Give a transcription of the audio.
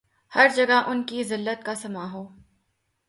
ہر جگہ ان کی زلت کا سامان ہو